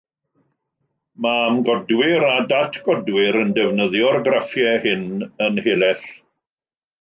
Mae amgodwyr a datgodwyr yn defnyddio'r graffiau hyn yn helaeth.